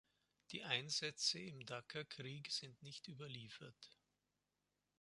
Die Einsätze im Dakerkrieg sind nicht überliefert.